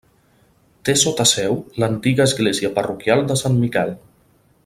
Té sota seu l'antiga església parroquial de Sant Miquel.